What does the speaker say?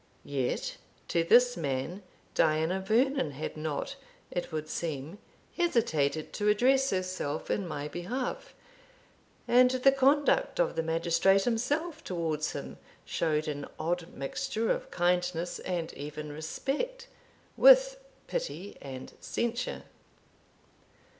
Yet to this man Diana Vernon had not, it would seem, hesitated to address herself in my behalf; and the conduct of the magistrate himself towards him showed an odd mixture of kindness, and even respect, with pity and censure.